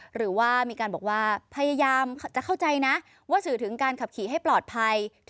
หรือว่ามีการบอกว่าพยายามจะเข้าใจนะว่าสื่อถึงการขับขี่ให้ปลอดภัย